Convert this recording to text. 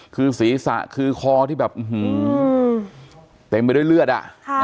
คือศีรษะคือคอที่แบบหื้อหือเต็มไปด้วยเลือดอะ